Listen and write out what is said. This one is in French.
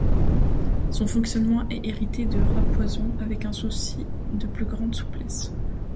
Son fonctionnement est hérité de ratpoison, avec un souci de plus grande souplesse.